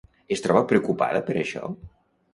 Es troba preocupada per això?